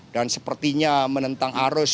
dan sepertinya menentang aspek kemanusiaan